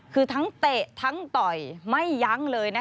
คือทั้งเตะทั้งต่อยไม่ยั้งเลยนะคะ